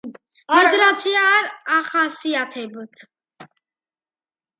მიგრაცია არ ახასიათებთ.